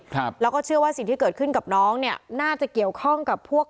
ครับแล้วก็เชื่อว่าสิ่งที่เกิดขึ้นกับน้องเนี่ยน่าจะเกี่ยวข้องกับพวก